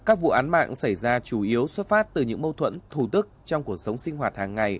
các vụ án mạng xảy ra chủ yếu xuất phát từ những mâu thuẫn thù tức trong cuộc sống sinh hoạt hàng ngày